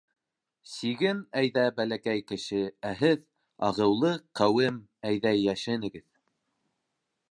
Сиген әйҙә, бәләкәй кеше, ә һеҙ, Ағыулы Ҡәүем, әйҙә йәшенегеҙ.